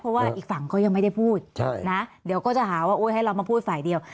เพราะว่าอีกฝั่งก็ยังไม่ได้พูดนะเดี๋ยวก็จะหาว่าให้เรามาพูดฝ่ายเดียว